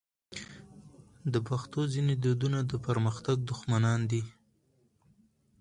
د پښتنو ځینې دودونه د پرمختګ دښمنان دي.